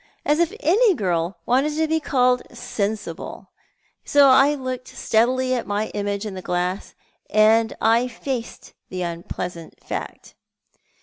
As if any girl wante I to be called sensible! fcio I looked steadily at my image in the glass, and I faced the uni)leasant fact.